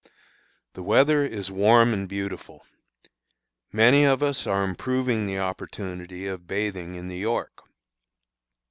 The weather is warm and beautiful. Many of us are improving the opportunity of bathing in the York.